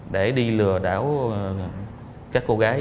để đi lừa đảo các cô gái